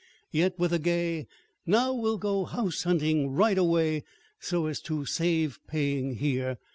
Yet with a gay "Now we'll go house hunting right away so as to save paying here!"